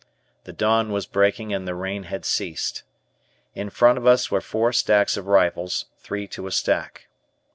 The dawn was breaking and the rain had ceased. In front of us were four stacks of rifles, three to a stack.